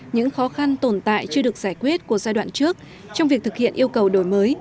những khó khăn tồn tại chưa được giải quyết của giai đoạn trước trong việc thực hiện yêu cầu đổi mới